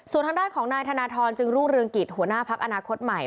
ส่วนทางด้านของนายธนทรจึงรุ่งเรืองกิจหัวหน้าพักอนาคตใหม่